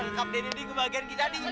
loh kapten dede di bagian kita nih